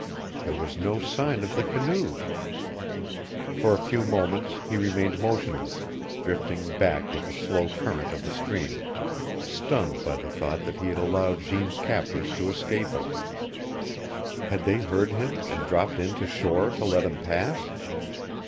There was no sign of the canoes! For a few moments he remained motionless, drifting back with the slow current of the stream, stunned by the thought that he had allowed Jeanne's captors to escape him. Had they heard him and dropped in to shore to let him pass?